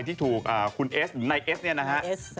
อนแบบของน้องพลอยที่ถูกคุณเอสนายเอสนี่นะฮะ